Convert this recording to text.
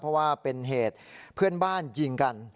เพราะว่าเป็นเหตุเพื่อนบ้านยิงกัน